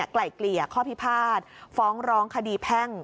ไกลเกลี่ยข้อพิพาทฟ้องร้องคดีแพ่ง